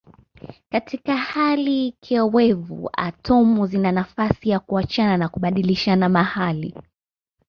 Katika hali kiowevu atomu zina nafasi ya kuachana na kubadilishana mahali.